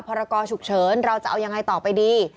พรกรฉุกเฉินเราจะเอายังไงต่อไปดี